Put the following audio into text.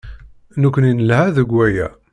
Nekkni nelha deg waya.